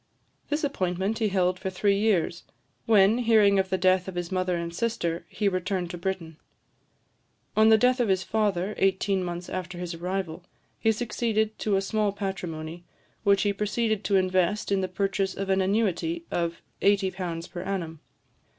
This appointment he held for three years, when, hearing of the death of his mother and sister, he returned to Britain. On the death of his father, eighteen months after his arrival, he succeeded to a small patrimony, which he proceeded to invest in the purchase of an annuity of £80 per annum.